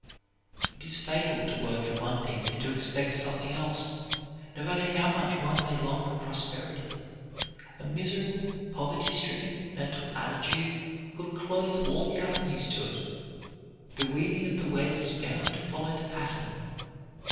It is fatal to work for one thing and to expect something else. No matter how much one may long for prosperity, a miserable, poverty stricken, mental attitude will close all the avenues to it. The weaving of the web is bound to follow the pattern.